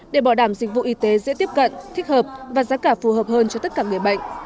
để bảo đảm dịch vụ y tế dễ tiếp cận thích hợp và giá cả phù hợp hơn cho tất cả người bệnh